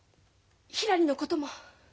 ひらりのことも。